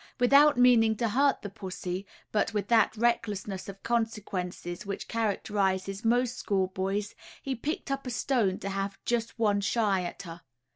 Without meaning to hurt the pussy, but with that recklessness of consequences which characterizes most school boys, he picked up a stone to have "just one shy at her."